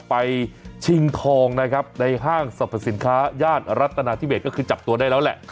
ชิงทองนะครับในห้างสรรพสินค้าย่านรัฐนาธิเบสก็คือจับตัวได้แล้วแหละ